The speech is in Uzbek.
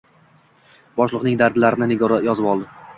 Boshliqning dardlarini Nigora yozib oldi